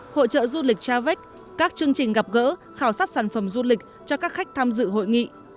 hội trợ du lịch travect các chương trình gặp gỡ khảo sát sản phẩm du lịch cho các khách tham dự hội nghị